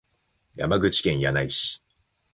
山口県柳井市